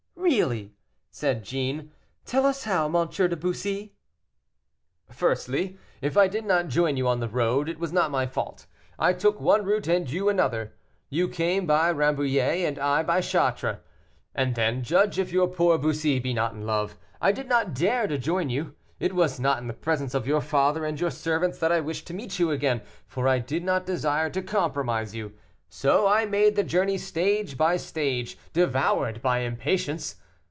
really!" said Jeanne, "tell us how, M. de Bussy." "Firstly, if I did not join you on the road, it was not my fault, I took one route and you another. You came by Rambouillet, and I by Chartres. And then judge if your poor Bussy be not in love; I did not dare to join you. It was not in the presence of your father and your servants that I wished to meet you again, for I did not desire to compromise you, so I made the journey stage by stage, devoured by impatience.